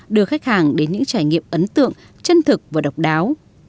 đưa khách hàng đến những trải nghiệm ấn tượng chân thực và độc đáo